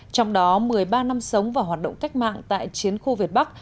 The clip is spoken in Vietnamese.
trong đó một mươi ba năm sống và hoạt động cách mạng tại chiến khu việt bắc